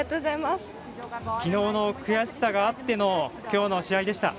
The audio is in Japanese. きのうの悔しさがあってのきょうの試合でした。